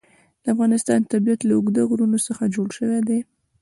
د افغانستان طبیعت له اوږده غرونه څخه جوړ شوی دی.